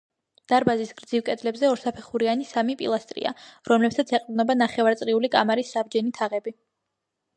დარბაზის გრძივ კედლებზე ორსაფეხურიანი სამი პილასტრია, რომლებსაც ეყრდნობა ნახევარწრიული კამარის საბჯენი თაღები.